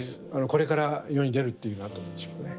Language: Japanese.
これから世に出るっていうようなとこでしょうね。